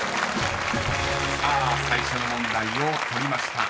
［さあ最初の問題を取りました］